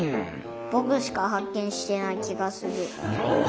ぼくしかはっけんしてないきがする。